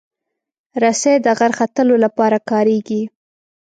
رسۍ د غر ختلو لپاره کارېږي.